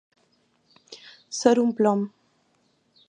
Ser un plom.